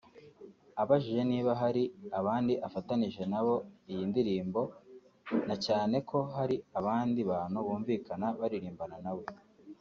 Abajijwe niba hari abandi afatanyije nabo iyi ndirimbo na cyane ko hari abandi bantu bumvikana baririmbana nawe